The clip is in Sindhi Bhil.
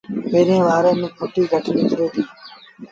پيريݩ وآري ميݩ ڦُٽيٚ گھٽ نڪري ديٚ